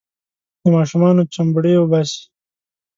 د ماشومانو چمبړې وباسي.